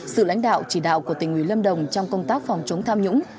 sự lãnh đạo chỉ đạo của tỉnh ủy lâm đồng trong công tác phòng chống tham nhũng